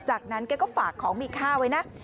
จากนั้นแกก็ฝากของมีค่าไว้นะ